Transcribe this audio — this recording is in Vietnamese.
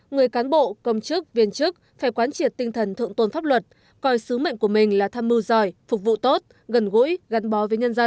người cán bộ công chức viên chức phải quán triệt tinh thần thượng tôn pháp luật coi sứ mệnh của mình là tham mưu giỏi phục vụ tốt gần gũi gắn bó với nhân dân